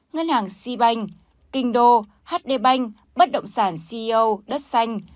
ngân hàng c banh kinh đô hd banh bất động sản ceo đất xanh